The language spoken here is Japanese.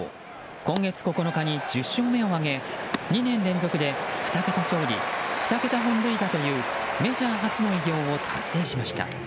今月９日に１０勝目を挙げ２年連続で２桁勝利２桁本塁打というメジャー初の偉業を達成しました。